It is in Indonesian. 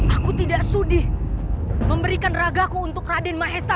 aku tidak sudih memberikan ragaku untuk raden mahesa